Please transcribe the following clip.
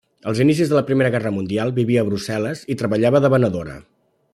Als inicis de la Primera Guerra mundial, vivia a Brussel·les i treballava de venedora.